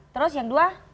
terus yang dua